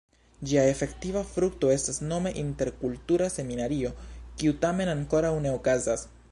Ĝia efektiva frukto estas nome "Interkultura Seminario", kiu tamen ankoraŭ ne okazas.